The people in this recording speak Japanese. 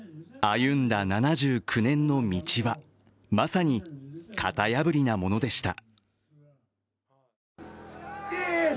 歩んだ７９年に道はまさに型破りなものでした。